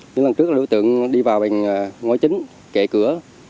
những lần trước là đối tượng đi vào bằng ngôi chính kệ cửa